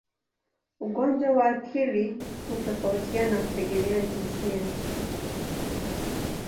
Ugonjwa wa akili hutofautiana kutegemea jinsia.